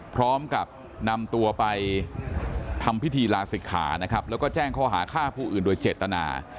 พร้อมกับนำตัวไปทำพิธีลาศิกขานะครับแล้วก็แจ้งข้อหาฆ่าผู้อื่นโดยเจตนา